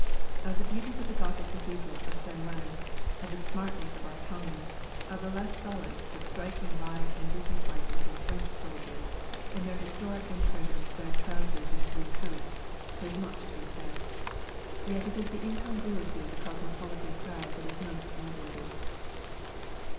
Of the beauties of the Gothic Cathedral of St. Ouen, of the smartness of our Tommies, of the less solid but strikingly lithe and businesslike looking French soldiers, in their historic and treasured red trousers and blue coats, there is much to be said. Yet it is the incongruity of the cosmopolitan crowd that is most noteworthy.